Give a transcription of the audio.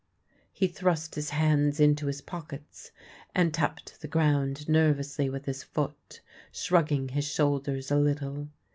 He thrust his hands into his pockets, and tapped the ground nervously with his foot, shrugging his shoulders a little.